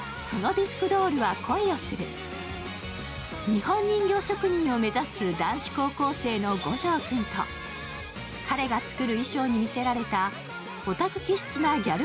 日本人形職人を目指す男子高校生の五条君と彼がつくる衣装にみせられたオタク気質のギャル